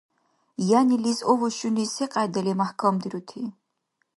Янилис овощуни секьяйдали мяхӀкамдирути?